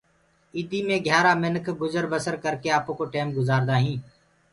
ايِدي مي گھيآرآ منک گجر بسر ڪرڪي آپوڪو ٽيم گُجآردآ هينٚ